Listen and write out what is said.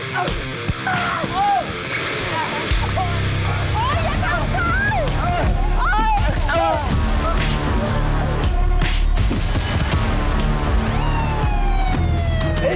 ตายเลย